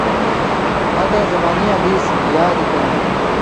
مَیں تَیں زوانی یاں دیس یادی کراں